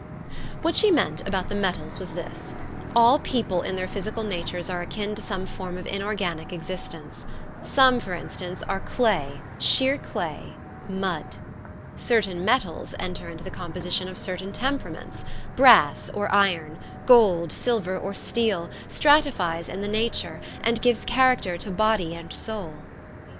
What she meant about the metals was this. All people in their plrysical natures are akin to some form of inorganic existence. Some, for instance, are clay, sheer clay, mud. Certain metals enter into the composition of certain temperaments : brass or iron, gold, silver, or steel, stratifies in the nature, and gives character to body and soul.